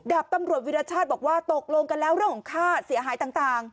ดาบตำรวจวิรชาติบอกว่าตกลงกันแล้วเรื่องของค่าเสียหายต่าง